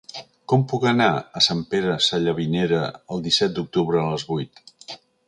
Com puc anar a Sant Pere Sallavinera el disset d'octubre a les vuit?